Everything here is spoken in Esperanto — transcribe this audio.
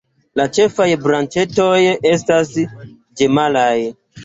La ĉefaj branĉetoj estas ĝemelaj.